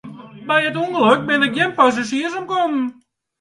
By it ûngelok binne gjin passazjiers omkommen.